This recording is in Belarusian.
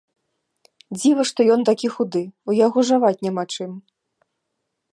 Дзіва што ён такі худы, у яго жаваць няма чым.